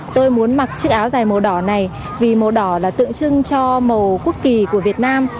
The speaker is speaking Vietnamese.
tôi muốn mặc chiếc áo dài màu đỏ này vì màu đỏ là tượng trưng cho màu quốc kỳ của việt nam